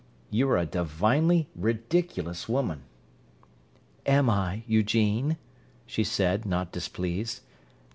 "You're a divinely ridiculous woman." "Am I, Eugene?" she said, not displeased.